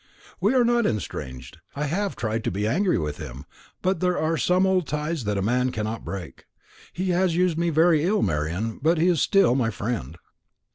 "We are not estranged. I have tried to be angry with him; but there are some old ties that a man cannot break. He has used me very ill, Marian; but he is still my friend."